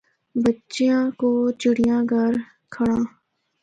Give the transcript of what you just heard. بچےاں کو چِڑّیا گھر کھَڑّا۔